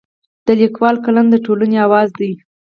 د لیکوال قلم د ټولنې اواز دی.